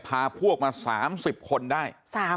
พาพวกมา๓๐คนได้